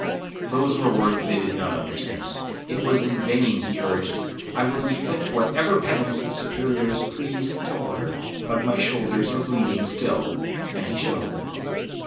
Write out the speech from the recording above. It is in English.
Those were words they did not understand. It was in vain he urged, 'I will inflict whatever penance the Superior is pleased to order, but my shoulders are bleeding still,'—and he shewed them.